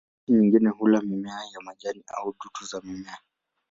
Spishi nyingine hula mimea ya majini au dutu za mimea.